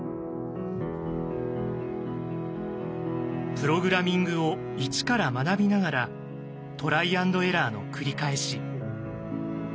プログラミングを一から学びながらトライ＆エラーの繰り返し。